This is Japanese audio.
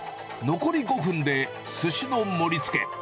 残り５分ですしの盛りつけ。